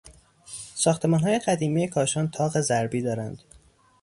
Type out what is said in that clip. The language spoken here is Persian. ساختمانهای قدیمی کاشان تاق ضربی دارند.